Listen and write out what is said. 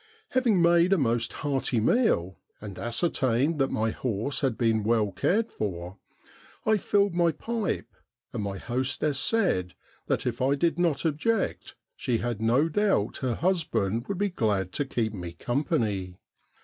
Having made amost hearty meal, and ascertained that my horse had been well cared for, I filled my pipe, and my hostess said that if I did not object she had no doubt her husband would be glad to keep me company.